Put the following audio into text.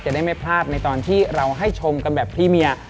ได้ไม่พลาดในตอนที่เราให้ชมกันแบบพี่เมีย